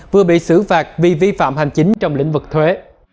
vừa bị xử phạt vì vi phạm hành chính trong lĩnh vực thuế